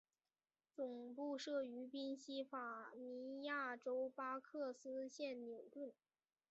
总部设于宾西法尼亚州巴克斯县纽顿。